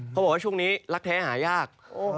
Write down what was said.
เขาบอกว่าช่วงนี้รักแท้หายาก